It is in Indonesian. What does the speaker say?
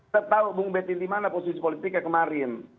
saya tahu bang ubed ini dimana posisi politiknya kemarin